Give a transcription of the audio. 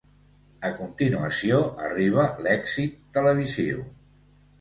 A continuació arriba l'èxit televisiu.